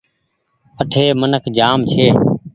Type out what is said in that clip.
اٺي منک جآم ڇي۔